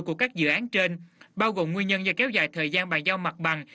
của các dự án trên bao gồm nguyên nhân do kéo dài thời gian bàn giao mặt bằng